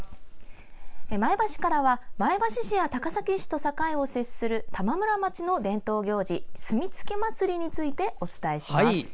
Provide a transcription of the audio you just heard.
前橋からは前橋市や高崎市と境を接する玉村町の伝統行事すみつけ祭についてお伝えします。